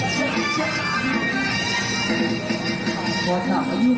กลับมาเท่าไหร่